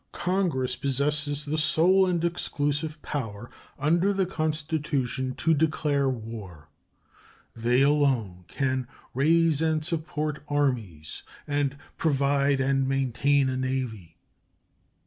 Congress possess the sole and exclusive power under the Constitution "to declare war." They alone can "raise and support armies" and "provide and maintain a navy."